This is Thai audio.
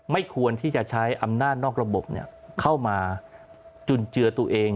ไม่ควรที่จะใช้อำนาจนอกระบบเข้ามาจุนเจือตัวเอง